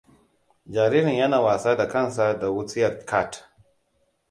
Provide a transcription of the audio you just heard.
Jaririn yana wasa da kansa da wutsiyar cat.